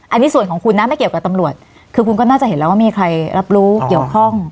อันนี้ส่วนของคุณนะไม่เกี่ยวกับตำรวจคือคุณก็น่าจะเห็นแล้วว่ามีใครรับรู้เกี่ยวข้อง